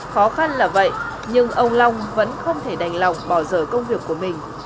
khó khăn là vậy nhưng ông long vẫn không thể đành lòng bỏ giờ công việc của mình